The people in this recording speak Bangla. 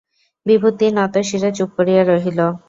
বিভূতি নতশিরে চুপ করিয়া রহিল।